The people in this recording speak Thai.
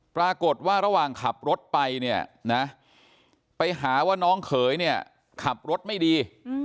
ปรากฏว่าระหว่างขับรถไปเนี่ยนะไปหาว่าน้องเขยเนี่ยขับรถไม่ดี